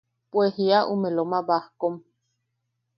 Pue jia ume Loma Bajkom.